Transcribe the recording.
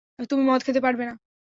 তুমি মদ খেতে পারবে না।